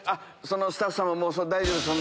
そのスタッフさんも大丈夫ですよ